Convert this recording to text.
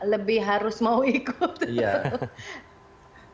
lebih harus mau ikut